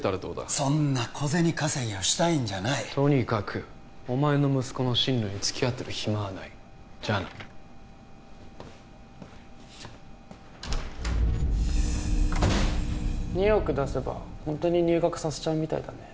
そんな小銭稼ぎをしたいんじゃないとにかくお前の息子の進路につきあってる暇はないじゃあな２億出せばほんとに入学させちゃうみたいだね